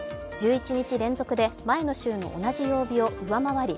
１１日連続で前の週の同じ曜日を上回り